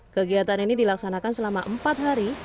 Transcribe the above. kegiatan ini dilaksanakan selama empat hari